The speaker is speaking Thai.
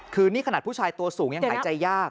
คือนี่ขนาดผู้ชายตัวสูงยังหายใจยาก